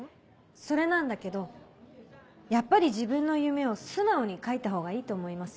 それなんだけどやっぱり自分の夢を素直に書いたほうがいいと思いますよ。